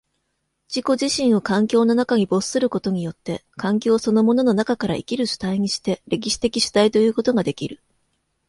自己自身を環境の中に没することによって、環境そのものの中から生きる主体にして、歴史的主体ということができる。